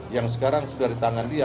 yang sekarang sudah di tangan dia